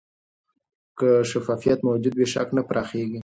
که شفافیت موجود وي، شک نه پراخېږي.